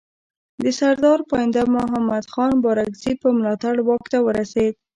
د سردار پاینده محمد خان بارکزي په ملاتړ واک ته ورسېد.